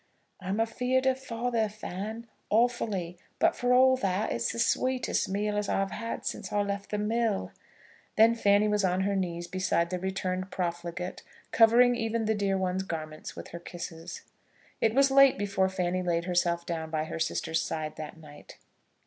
"I'm afeard of father, Fan, awfully; but for all that, it's the sweetest meal as I've had since I left the mill." Then Fanny was on her knees beside the returned profligate, covering even the dear one's garments with her kisses. It was late before Fanny laid herself down by her sister's side that night.